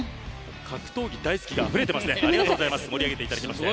格闘技大好きがあふれていますね。